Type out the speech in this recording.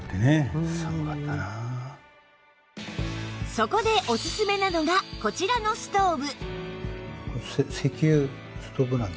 そこでおすすめなのがこちらのストーブ